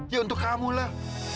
ya untuk kamu lah